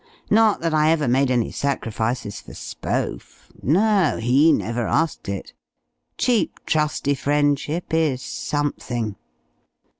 Not that I ever made any sacrifices for Spohf no, he never asked it; cheap trusty friendship is something!